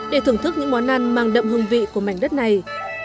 để thưởng thức những món ăn mang đậm hương vị của mảnh đất này